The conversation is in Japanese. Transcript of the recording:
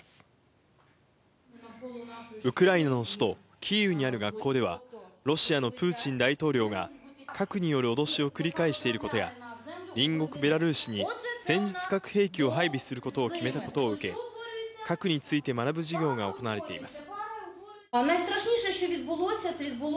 ウクライナの首都キーウにある学校では、ロシアのプーチン大統領が核による脅しを繰り返していることや、隣国ベラルーシに戦術核兵器を配備することを決めたことを受け、核について学ぶ授業が行われています。